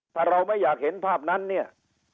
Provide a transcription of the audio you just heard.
ถ้าเราไม่อยากเห็นภาพนั้นเนี่ย